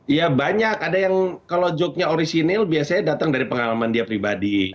ya banyak ada yang kalau joke nya orisinil biasanya datang dari pengalaman dia pribadi